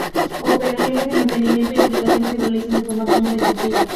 Operaciones de mantenimiento y ampliaciones se realizan de forma cómoda y sencilla.